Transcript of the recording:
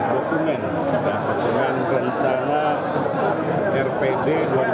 dengan rencana rpd dua ribu dua puluh empat dua ribu dua puluh tiga